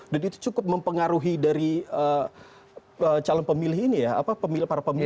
dan itu cukup mempengaruhi dari calon pemilih ini ya apa pemilih para pemilih